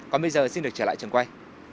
còn bây giờ xin được trở lại trường quay